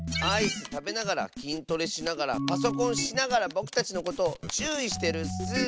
アイスたべながらきんトレしながらパソコンしながらぼくたちのことをちゅういしてるッス！